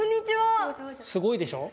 すごいでしょ。